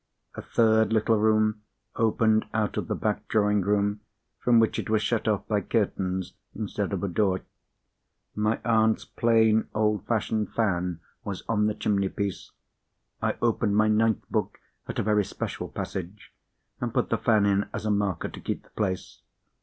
A third little room opened out of the back drawing room, from which it was shut off by curtains instead of a door. My aunt's plain old fashioned fan was on the chimney piece. I opened my ninth book at a very special passage, and put the fan in as a marker, to keep the place.